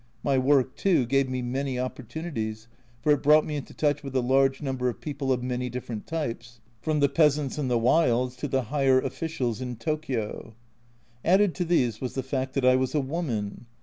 My work, too, gave me many opportunities, for it brought me into touch with a large number of people of many different types, from the peasants in the wilds to the higher officials in Tokio. Added to these was the fact that I was a woman.